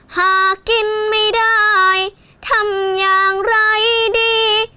หากกินไม่ได้ทำอย่างไรดี